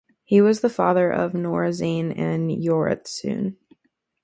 He was the father of Norizane and Yoritsune.